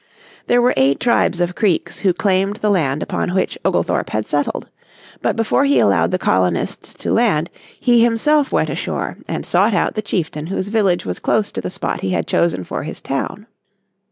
There were eight tribes of Creeks who claimed the land upon which Oglethorpe had settled. But before he allowed the colonists to land he himself went ashore and sought out the chieftain whose village was close to the spot he had chosen for his town.